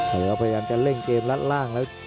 แล้วพยายามจะเล่นเกมลัดล่าง